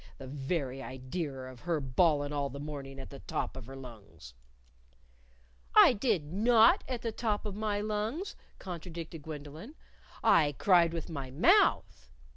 The very idear of her bawlin' all the mornin' at the top of her lungs " "I did not at the top of my lungs," contradicted Gwendolyn. "I cried with my mouth."